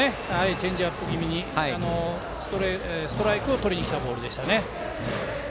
チェンジアップ気味にストライクをとりにきた投球でした。